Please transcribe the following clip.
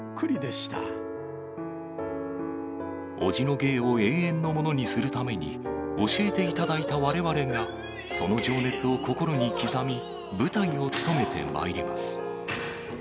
叔父の芸を永遠のものにするために、教えていただいたわれわれが、その情熱を心に刻み、舞台を務めてまいります。